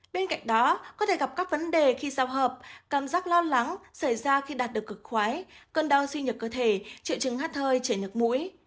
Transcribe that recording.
bên cạnh đó có thể gặp các vấn đề khi giao hợp cảm giác lo lắng xảy ra khi đạt được cực khói cơn đau suy nhược cơ thể triệu chứng hát hơi chảy nước mũi